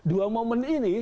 jadi dua momen ini